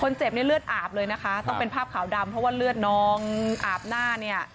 เจ็บเนี่ยเลือดอาบเลยนะคะต้องเป็นภาพขาวดำเพราะว่าเลือดนองอาบหน้าเนี่ย